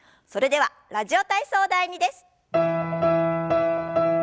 それでは「ラジオ体操第２」です。